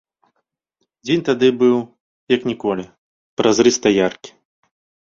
Дзень тады быў, як ніколі, празрыста яркі.